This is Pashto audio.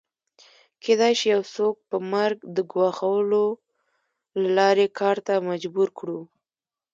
کېدای شي یو څوک په مرګ د ګواښلو له لارې کار ته مجبور کړو